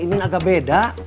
inin agak beda